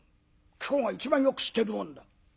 貴公が一番よく知ってる者だ」。